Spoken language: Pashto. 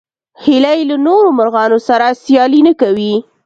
هیلۍ له نورو مرغانو سره سیالي نه کوي